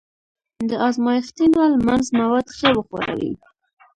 د ازمایښتي نل منځ مواد ښه وښوروئ.